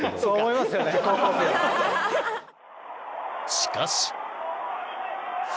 しかし。